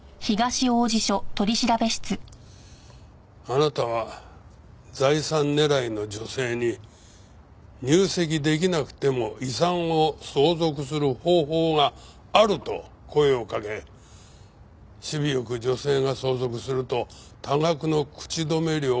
あなたは財産狙いの女性に入籍出来なくても遺産を相続する方法があると声をかけ首尾よく女性が相続すると多額の口止め料を要求していた。